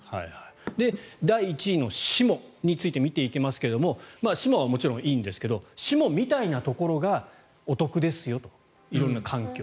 第１位の志茂について見ていきますが志茂はもちろんいいんですが志茂みたいなところがお得ですよと。色んな環境。